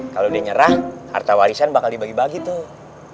kalau dia nyerah harta warisan bakal dibagi bagi tuh